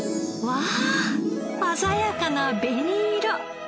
わあ鮮やかな紅色！